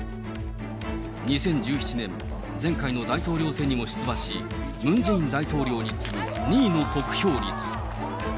２０１７年、前回の大統領選にも出馬し、ムン・ジェイン大統領に次ぐ２位の得票率。